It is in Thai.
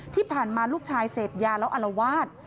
ที่ผ่านมาลูกชายเสพยาแล้วอลวาด